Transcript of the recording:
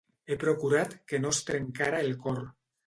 He procurat que no es trencara el cor.